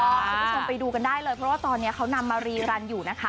คุณผู้ชมไปดูกันได้เลยเพราะว่าตอนนี้เขานำมารีรันอยู่นะคะ